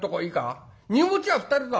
荷持ちは２人だ。